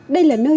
đây là nơi